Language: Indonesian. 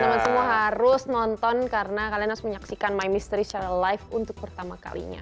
jadi temen temen semua harus nonton karena kalian harus menyaksikan my mystery secara live untuk pertama kalinya